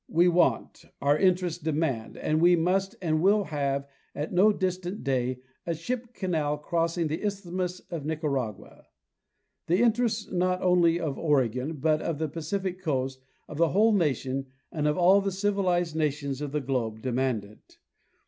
We want, our interests demand, and we must and will have at no distant day, a ship canal crossing the isthmus of Nicaragua. The interests not only of Oregon, but of the Pacific coast, of the whole nation, and of all the civilized nations of the 282 John H. Mitchell—Oregon globe demand it.